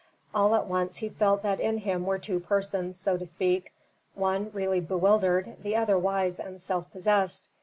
All at once he felt that in him were two persons, so to speak: one really bewildered, the other wise and self possessed.